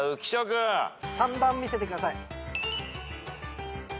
３番見せてください。